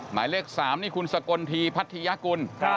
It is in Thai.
หมายเลขสามนี่คุณสกลทีพัฒนิยกุล